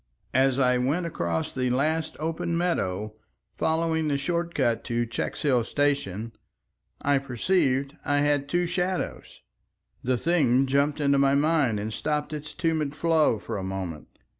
As I went across the last open meadow, following the short cut to Checkshill station, I perceived I had two shadows. The thing jumped into my mind and stopped its tumid flow for a moment.